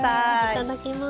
いただきます。